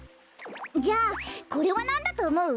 じゃあこれはなんだとおもう？